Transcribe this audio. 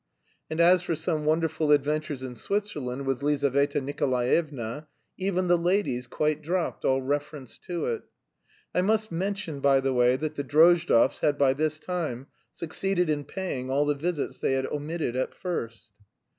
And as for some wonderful adventures in Switzerland with Lizaveta Nikolaevna, even the ladies quite dropped all reference to it. I must mention, by the way, that the Drozdovs had by this time succeeded in paying all the visits they had omitted at first.